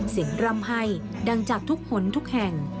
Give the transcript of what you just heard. เสียงรำไห้ดังจากทุกหนทุกแห่ง